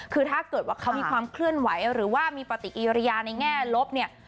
คือถ้าเกิดว่าเขามีความเคลื่อนไหวหรือว่ามีปฏิกิริยาในแง่ลบเนี่ย